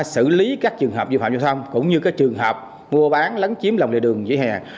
xử lý các trường hợp vi phạm giao thông cũng như các trường hợp mua bán lấn chiếm lòng lề đường vỉa hè